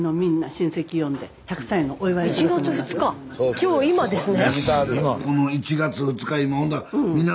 今日今ですね。